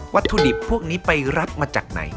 ถุดิบพวกนี้ไปรับมาจากไหน